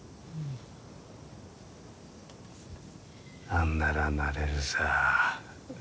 杏ならなれるさ。